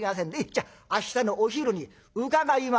じゃあ明日のお昼に伺いますんで」。